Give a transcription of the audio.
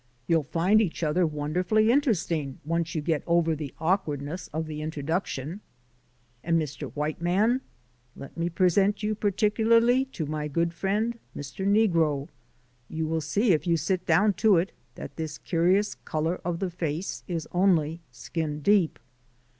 You'll find each other wonderfully interesting once you get over the awkwardness of the introduction. And Mr. White Man, let me present you particularly to my good friend, Mr. Negro. You will see if you sit down to it that this colour of the face is only skin deep."